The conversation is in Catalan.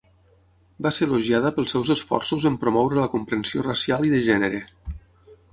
Va ser elogiada pels seus esforços en promoure la comprensió racial i de gènere.